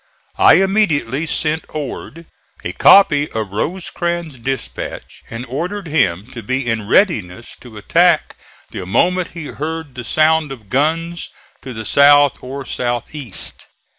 I immediately sent Ord a copy of Rosecrans' dispatch and ordered him to be in readiness to attack the moment he heard the sound of guns to the south or south east.